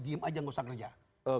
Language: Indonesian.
diam aja gak usah ngejar